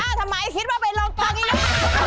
อ้าวทำไมคิดว่าเป็นรองกองนี่น่ะ